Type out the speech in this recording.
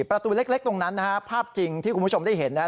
ประตูเล็กตรงนั้นนะฮะภาพจริงที่คุณผู้ชมได้เห็นนะครับ